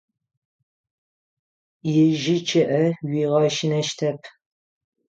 Ижьы чъыIэ уигъэщынэщтэп.